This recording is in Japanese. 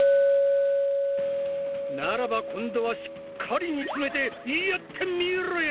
ならば今度はしっかり煮つめてやってみろや！